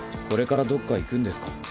これからどっか行くんですか？